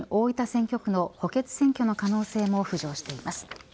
選挙区の補欠選挙の可能性も浮上しています。